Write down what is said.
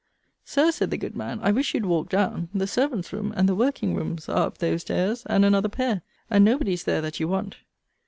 Sir, said the good man, I wish you'd walk down. The servants' rooms, and the working rooms, are up those stairs, and another pair; and nobody's there that you want.